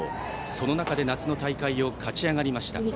その中で、夏の大会を勝ち上がりました。